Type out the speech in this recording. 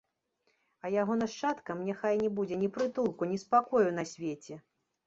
А яго нашчадкам няхай не будзе ні прытулку, ні спакою на свеце!